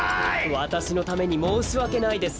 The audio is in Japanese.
わたしのためにもうしわけないです